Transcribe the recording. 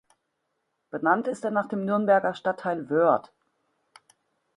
Benannt ist er nach dem Nürnberger Stadtteil Wöhrd.